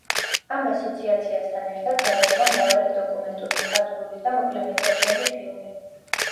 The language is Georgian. ამ ასოციაციასთან ერთად გადაიღო მრავალი დოკუმენტური, მხატვრული და მოკლემეტრაჟიანი ფილმი.